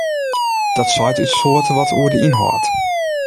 Dat seit út soarte wat oer de ynhâld.